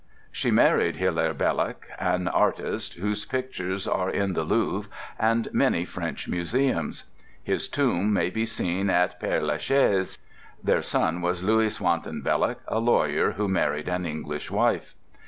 She married Hilaire Belloc, an artist, whose pictures are in the Louvre and many French museums; his tomb may be seen in Père la Chaise. Their son was Louis Swanton Belloc, a lawyer, who married an English wife.